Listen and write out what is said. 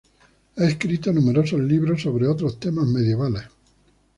Ha escrito numerosos libros sobre otros temas medievales.